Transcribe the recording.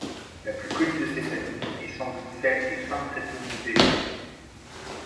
La plus connue de ces familles est sans doute celle des pentatomidés.